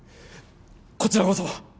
こちらこそ！